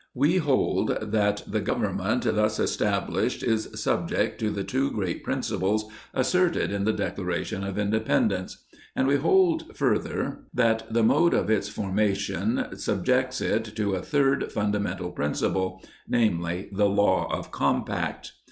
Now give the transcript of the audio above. We hold that the Government thus established is sub ject to the two great principles asserted in the Declaration of Independence ; and we hold further, that the mode of its formation subjects it to a third fundamental principle, namely: the law of compact.